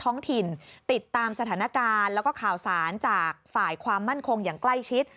ท้องถิ่นติดตามสถานการณ์แล้วก็ข่าวสารจากฝ่ายความมั่นคงอย่างใกล้ชิด